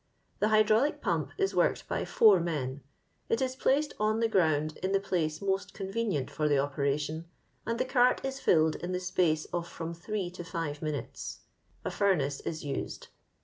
The hydrauHo pump is worked by four men ; it is placed on the ground in the place most convenient for the operation, and the cart is filled in the space of from three to five minutes. A furnace is used.